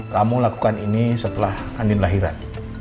kamu lakukan ini setelah andi melahirkan